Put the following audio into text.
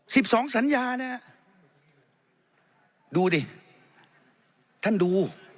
สิบสองสัญญาเนี่ยดูดิท่านดู